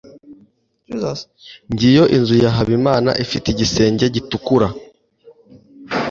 Ngiyo inzu ya Habimana ifite igisenge gitukura.